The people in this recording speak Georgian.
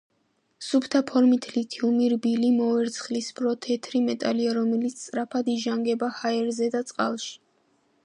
სუფთა ფორმით ლითიუმი რბილი მოვერცხლისფრო თეთრი მეტალია, რომელიც სწრაფად იჟანგება ჰაერზე და წყალში.